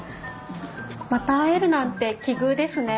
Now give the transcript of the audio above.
また会えるなんて奇遇ですね。